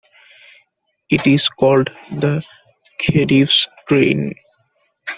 It is called the Khedive's Train.